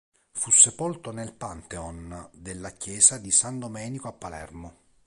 Fu sepolto nel Pantheon della chiesa di San Domenico a Palermo.